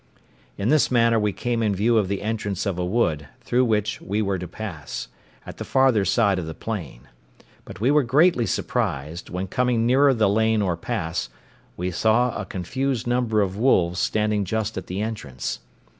In this manner, we came in view of the entrance of a wood, through which we were to pass, at the farther side of the plain; but we were greatly surprised, when coming nearer the lane or pass, we saw a confused number of wolves standing just at the entrance.